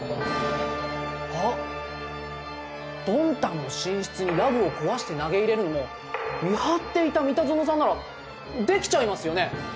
あっドンタンの寝室にラブを壊して投げ入れるのも見張っていた三田園さんならできちゃいますよね？